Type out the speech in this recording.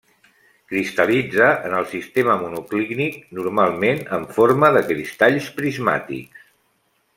Cristal·litza en el sistema monoclínic, normalment en forma de cristalls prismàtics.